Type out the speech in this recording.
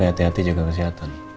kau hati hati jaga kesehatan